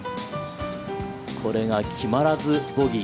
これが決まらず、ボギー。